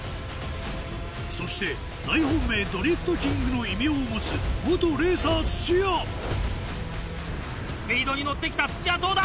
そして大本命ドリフトキングの異名を持つ元レーサー土屋スピードにのって来た土屋どうだ？